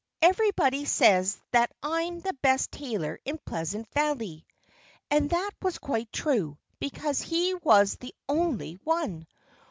Everybody says that I'm the best tailor in Pleasant Valley." And that was quite true because he was the only one.